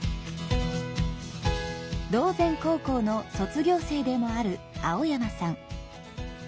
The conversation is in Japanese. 島前高校の卒業生でもある青山さん。